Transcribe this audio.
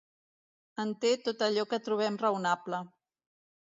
En té tot allò que trobem raonable.